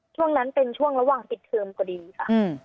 ช่วงนั้นเป็นช่วงระหว่างปิดเทอมพอดีค่ะ